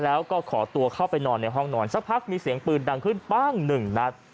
แล้วก็ขอตัวเข้าไปนอนในห้องนอนสักพักมีเสียงปืนดังขึ้นปั้งหนึ่งนัด